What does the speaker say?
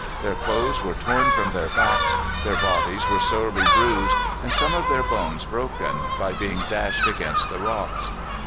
Their clothes were torn from their backs. Their bodies were sorely bruised, and some of their bones broken, by being dashed against the rocks.